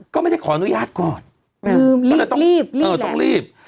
ก็ไม่ได้ขอนุญาตก่อนลืมรีบรีบเออต้องรีบ